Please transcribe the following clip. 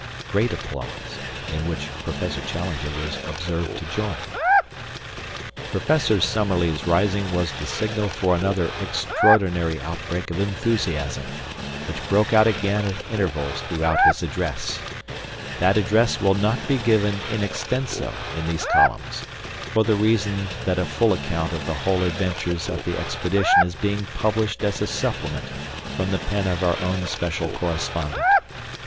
(Great applause, in which Professor Challenger was observed to join.) "Professor Summerlee's rising was the signal for another extraordinary outbreak of enthusiasm, which broke out again at intervals throughout his address. That address will not be given in extenso in these columns, for the reason that a full account of the whole adventures of the expedition is being published as a supplement from the pen of our own special correspondent.